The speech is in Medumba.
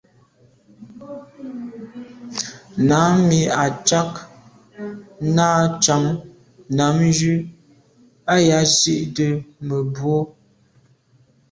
Námí à’cág ná cǎŋ ndǎmjú ā yā zí’də́ mə̀bró.